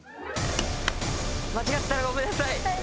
間違ったらごめんなさい！